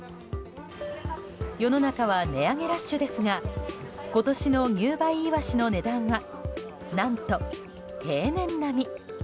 世の中は値上げラッシュですが今年の入梅イワシの値段は何と平年並み。